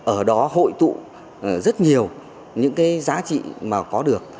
ở đó hội tụ rất nhiều những cái giá trị mà có được